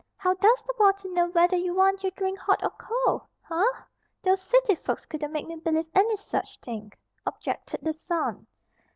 How does the bottle know whether you want your drink hot or cold? Huh! Those city folks couldn't make me believe any such thing," objected the son.